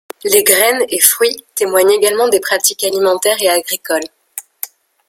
Les graines et fruits témoignent également des pratiques alimentaires et agricoles.